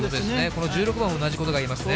この１６番も同じことが言えますね。